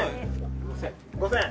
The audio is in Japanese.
５，０００。